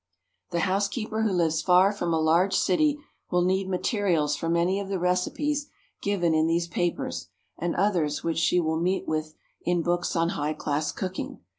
The housekeeper who lives far from a large city will need materials for many of the recipes given in these papers and others which she will meet with in books on high class cooking.